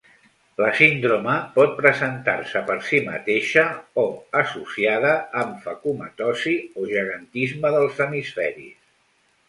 La síndrome pot presentar-se per si mateixa o associada amb facomatosis o gegantisme dels hemisferis.